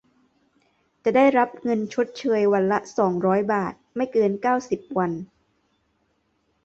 จะได้รับเงินชดเชยวันละ สองร้อย บาท ไม่เกิน เก้าสิบ วัน